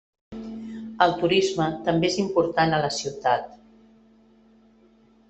El turisme també és important a la ciutat.